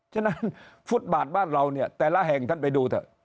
ฉะนั้นฟุตบาทบ้านเราเนี่ยแต่ละแห่งท่านไปดูเถอะ